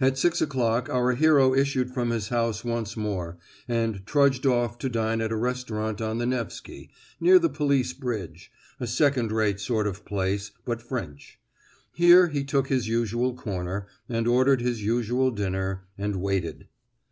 At six o'clock our hero issued from his house once more, and trudged off to dine at a restaurant on the Nefsky, near the police bridge—a second rate sort of place, but French. Here he took his usual corner, and ordered his usual dinner, and waited.